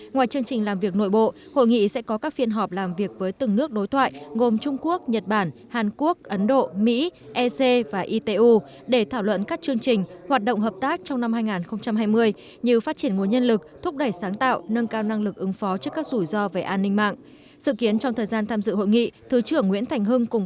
ngoài chương trình làm việc nội bộ hội nghị sẽ có các phiên họp làm việc với từng nước đối thoại gồm trung quốc nhật bản hàn quốc ấn độ mỹ esea và itu để thảo luận các chương trình hoạt động hợp tác trong năm hai nghìn hai mươi như phát triển nguồn nhân lực thúc đẩy sáng tạo nâng cao năng lực ứng phó trước các rủi ro về an ninh mạng